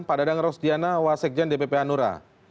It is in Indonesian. pak dadang rosdiana wasekjen dpp hanura